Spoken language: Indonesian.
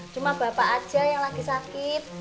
cuma bapak aja yang lagi sakit